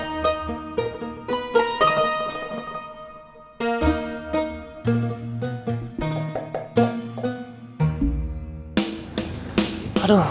kehendaknya udah punya anak